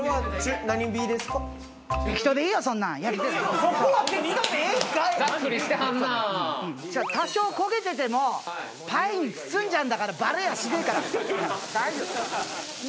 そんなん多少焦げててもパイに包んじゃうんだからバレやしねえから大丈夫